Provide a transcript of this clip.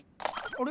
あれ？